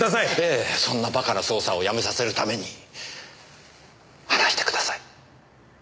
ええそんなバカな捜査をやめさせるために話してください。